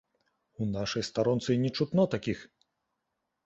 У нашай старонцы і не чутно такіх!